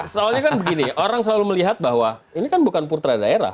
soalnya kan begini orang selalu melihat bahwa ini kan bukan putra daerah